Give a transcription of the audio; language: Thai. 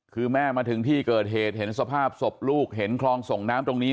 คือแม่มาถึงที่เกิดเหตุเห็นสภาพศพลูกเห็นคลองส่งน้ำตรงนี้